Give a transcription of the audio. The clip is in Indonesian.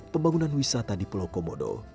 pembangunan wisata di pulau komodo